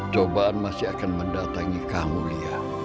cobaan masih akan mendatangi kamu dia